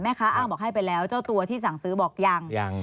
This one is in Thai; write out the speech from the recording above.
อ้างบอกให้ไปแล้วเจ้าตัวที่สั่งซื้อบอกยังยัง